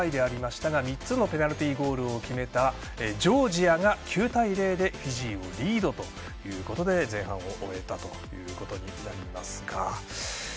結局、前半両チームともノートライでしたが３つのペナルティゴールを決めたジョージアが９対０で、フィジーをリードということで前半を終えたことになります。